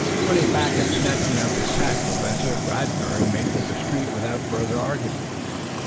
Running back and snatching up his hat, Professor Radberg made for the street without further argument.